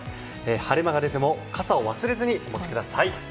晴れ間が出ても傘を忘れずにお持ちください。